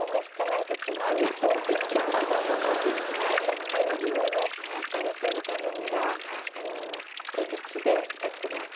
やっぱり自分が楽しむためには手弾きでやってます。